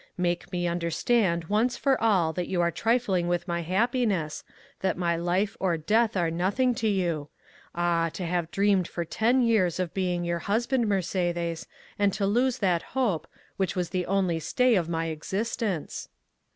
Make me understand once for all that you are trifling with my happiness, that my life or death are nothing to you. Ah, to have dreamed for ten years of being your husband, Mercédès, and to lose that hope, which was the only stay of my existence!"